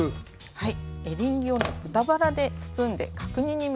はい。